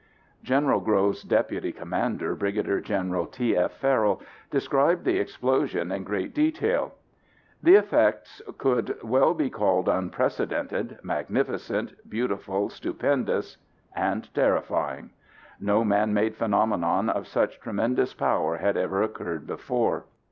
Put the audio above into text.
" General Groves' deputy commander, Brigadier General T. F. Farrell, described the explosion in great detail: "The effects could well be called unprecedented, magnificent, beautiful, stupendous, and terrifying. No man made phenomenon of such tremendous power had ever occurred before.